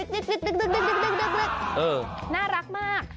ดึกน่ารักมาก